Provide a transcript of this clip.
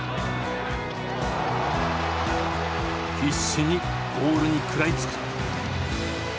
必死にボールに食らいつく。